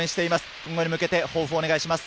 今後に向けて抱負をお願いします。